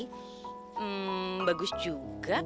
hmm bagus juga